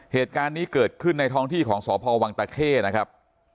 เหตุการณ์นี้เกิดขึ้นในท้องที่ของสพวังตะเข้นะครับ